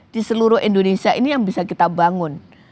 di seluruh indonesia ini yang bisa kita bangun